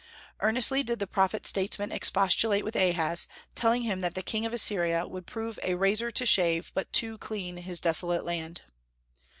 Earnestly did the prophet statesman expostulate with Ahaz, telling him that the king of Assyria would prove "a razor to shave but too clean his desolate land."